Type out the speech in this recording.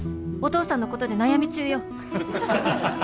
お父さんのことで悩み中よ。